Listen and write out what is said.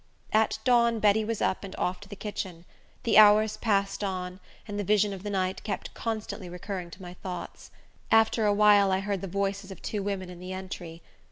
At dawn, Betty was up and off to the kitchen. The hours passed on, and the vision of the night kept constantly recurring to my thoughts. After a while I heard the voices of two women in the entry.